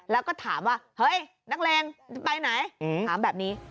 แล้วก็ถามว่าเฮ้ยนักเลงไปไหนถามแบบนี้